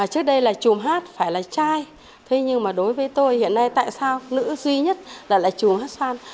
trước đây là chùm hát phải là trai thế nhưng mà đối với tôi hiện nay tại sao nữ duy nhất là chùm hát xoan